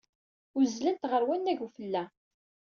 Uzzlent ɣer wannag n ufella.